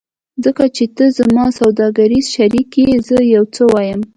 ځکه چې ته زما سوداګریز شریک یې زه یو څه وایم